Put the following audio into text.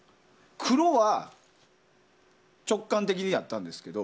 黒は直感的にやったんですよ。